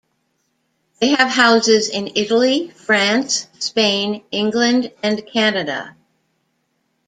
They have houses in Italy, France, Spain, England, and Canada.